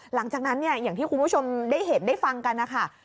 หลังจากนั้นอย่างที่คุณผู้ชมเห็นได้ฟังกันค่ะ